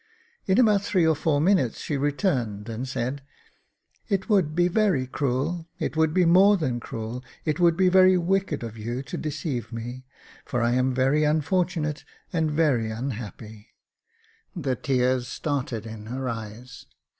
In about three or four minutes she returned and said, " It would be very cruel — it would be more than cruel — it would be very wicked of you to deceive me, for I am very unfortunate and very unhappy." The tears started in her eyes.